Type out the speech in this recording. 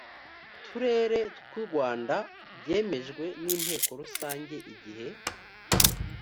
turere tw u rwanda byemejwe n inteko rusange igihe